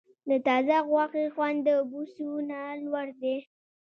د تازه غوښې خوند د بوسو نه لوړ دی.